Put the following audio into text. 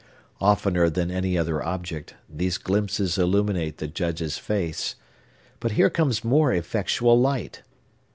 Oftener than any other object, these glimpses illuminate the Judge's face. But here comes more effectual light.